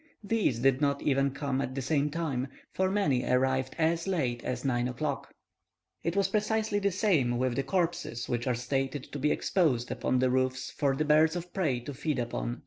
These did not even come at the same time, for many arrived as late as 9 o'clock. It was precisely the same with the corpses which are stated to be exposed upon the roofs for the birds of prey to feed upon.